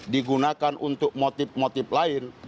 digunakan untuk motif motif lain